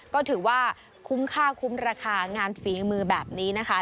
ก็ถือว่าคุ้มค่าคุ้มราคางานฝีมือแบบนี้นะคะ